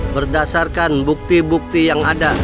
berdasarkan bukti bukti yang ada